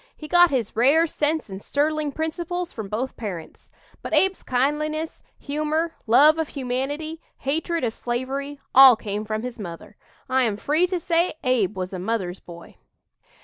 He got his rare sense and sterling principles from both parents. But Abe's kindliness, humor, love of humanity, hatred of slavery, all came from his mother. I am free to say Abe was a 'mother's boy.'"